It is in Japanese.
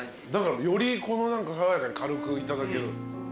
だからより爽やかに軽くいただける。